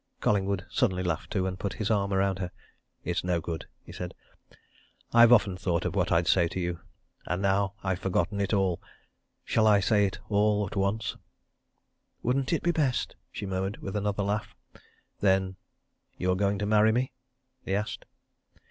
Collingwood suddenly laughed too and put his arm round her. "It's no good!" he said. "I've often thought of what I'd to say to you and now I've forgotten all. Shall I say it all at once!" "Wouldn't it be best?" she murmured with another laugh. "Then you're going to marry me?" he asked.